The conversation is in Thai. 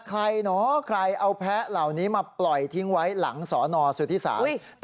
ใครเหรอใครเอาแพ้เหล่านี้มาปล่อยทิ้งไว้หลังสอนอสุทธิศาล